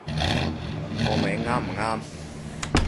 個名啱唔啱